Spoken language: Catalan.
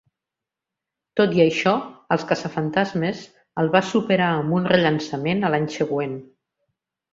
Tot i això, "Els caçafantasmes" el va superar amb un rellançament a l'any següent.